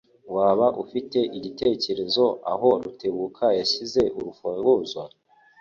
Waba ufite igitekerezo aho Rutebuka yashyize urufunguzo?